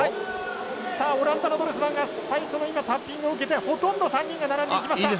オランダのドルスマンが最初のタッピングを受けてほとんど３人が並んでいきました。